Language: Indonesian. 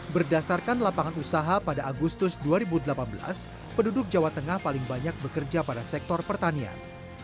berdasarkan lapangan usaha pada agustus dua ribu delapan belas penduduk jawa tengah paling banyak bekerja pada sektor pertanian